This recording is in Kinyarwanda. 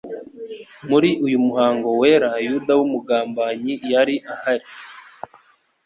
Muri uyu muhango wera, Yuda w'umugambanyi yari ahari.